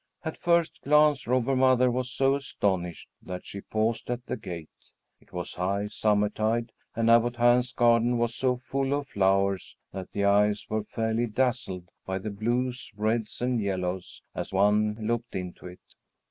At first glance Robber Mother was so astonished that she paused at the gate. It was high summertide, and Abbot Hans' garden was so full of flowers that the eyes were fairly dazzled by the blues, reds, and yellows, as one looked into it.